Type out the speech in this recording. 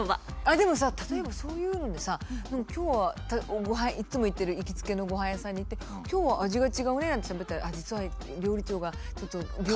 でもさ例えばそういうのにさ今日はいつも行ってる行きつけのご飯屋さんに行って「今日は味が違うね」なんてしゃべったら実は料理長がちょっと病気で。